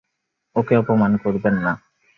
ওকে অপমান করবেন না।